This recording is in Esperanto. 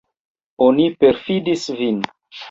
Oni perfidis vin.